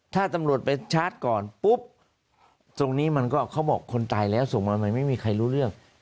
ถ้าตำรวจไปชาร์จก่อนปุ๊บตรงนี้มันก็เขาบอกคนตายแล้วส่งมาทำไมไม่มีใครรู้เรื่อง